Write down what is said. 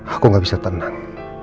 aku gak bisa tenang